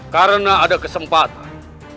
karena ada kesempatan